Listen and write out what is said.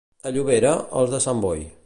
A Llobera, els de Sant Boi.